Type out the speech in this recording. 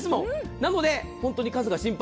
なので本当に数が心配。